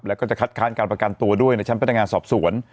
แล้วก็จะคัดค้านการประกันตัวด้วยในชั้นพนักงานสอบสวน